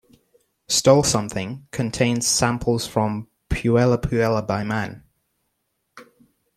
"Stole Something" contains samples from "Puella Puella" by Man.